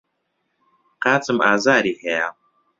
قاچم ئازاری هەیە.